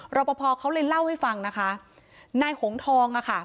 รอปภเขาเลยเล่าให้ฟังนะคะนายหงทองอ่ะค่ะ